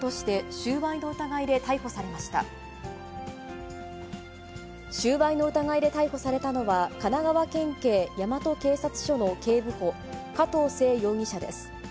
収賄の疑いで逮捕されたのは、神奈川県警大和警察署の警部補、加藤聖容疑者です。